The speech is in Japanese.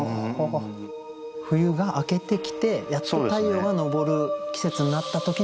冬が明けてきてやっと太陽が昇る季節になった時に見た。